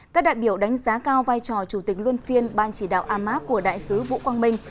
các đại biểu đánh giá cao vai trò chủ tịch luân phiên ban chỉ đạo amac của đại sứ vũ quang minh